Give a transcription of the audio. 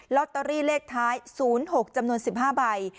ลอตเตอรี่เลขท้าย๐๖จำนวน๑๕ใบ